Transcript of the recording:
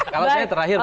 kalau saya terakhir